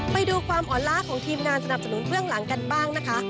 ไปดูความอ่อนล้าของทีมงานสนับสนุนเบื้องหลังกันบ้างนะคะ